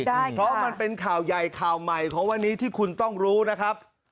เพราะมันเป็นข่าวใหญ่ข่าวใหม่ของวันนี้ที่คุณต้องรู้นะครับ